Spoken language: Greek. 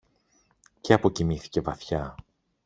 και αποκοιμήθηκε βαθιά